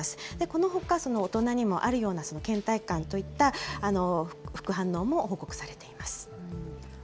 このほか、大人にもあるようなけん怠感といった副反応も報告されています。